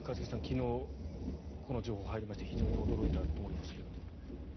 昨日、この情報入りまして非常に驚いたと思いますけども。